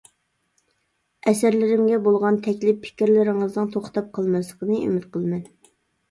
ئەسەرلىرىمگە بولغان تەكلىپ-پىكىرلىرىڭىزنىڭ توختاپ قالماسلىقىنى ئۈمىد قىلىمەن.